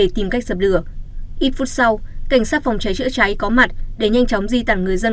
tìm cách dập lửa ít phút sau cảnh sát phòng cháy chữa cháy có mặt để nhanh chóng di tản người dân